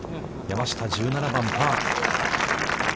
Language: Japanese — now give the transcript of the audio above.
山下、１７番パー。